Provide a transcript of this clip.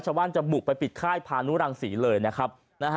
ชาวบ้านจะบุกไปปิดค่ายพานุรังศรีเลยนะครับนะฮะ